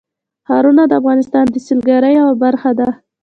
ښارونه د افغانستان د سیلګرۍ یوه برخه ده.